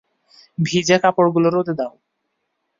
ভিজা কাপড়্গুলো রোদে দাও।